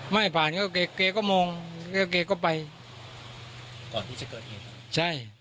ไม่ผ่านก็แกก็มองแล้วแกก็ไปก่อนที่จะเกิดเหตุใช่